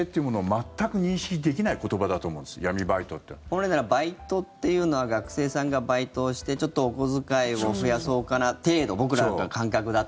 本来ならバイトというのは学生さんがバイトをしてちょっとお小遣いを増やそうかな程度僕らの感覚だと。